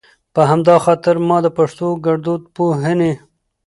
په همدا خاطر ما د پښتو ګړدود پوهنې